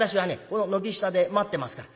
この軒下で待ってますから」。